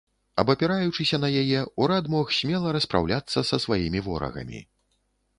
Абапіраючыся на яе, урад мог смела распраўляцца са сваімі ворагамі.